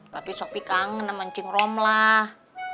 tapi sopi kangen sama ncing rom lah